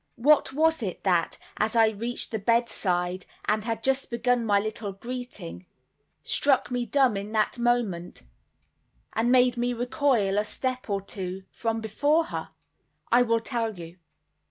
What was it that, as I reached the bedside and had just begun my little greeting, struck me dumb in a moment, and made me recoil a step or two from before her? I will tell you.